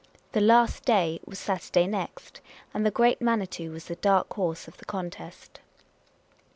The " last day " was Saturday next ; and the Great Manitou was the dark horse of the contest.